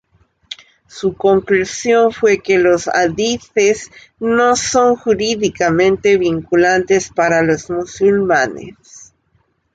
Su conclusión fue que los hadices no son jurídicamente vinculantes para los musulmanes.